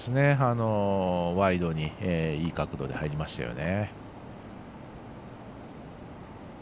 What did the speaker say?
ワイドにいい角度で、入りましたよね。